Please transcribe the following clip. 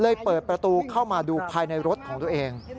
เปิดประตูเข้ามาดูภายในรถของตัวเอง